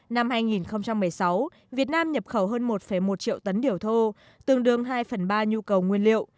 năm hai nghìn một mươi sáu việt nam nhập khẩu hơn một một triệu tấn điều thô tương đương hai phần ba nhu cầu nguyên liệu